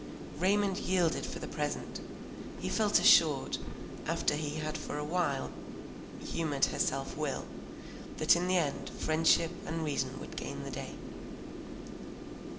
Raymond yielded for the present. He felt assured, after he had for awhile humoured her self will, that in the end friendship and reason would gain the day.